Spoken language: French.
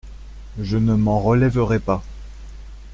Je ne m'en relèverais pas.